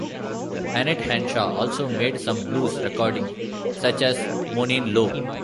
Annette Hanshaw also made some blues recordings, such as "Moanin' Low".